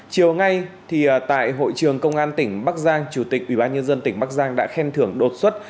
chiều nay tại hội trường công an tỉnh bắc giang chủ tịch ubnd tỉnh bắc giang đã khen thưởng đột xuất